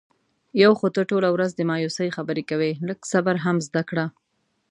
یو خو ته ټوله ورځ د مایوسی خبرې کوې. لږ صبر هم زده کړه.